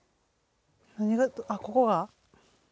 何があっここが！